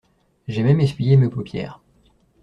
J'ai même essuyé mes paupières.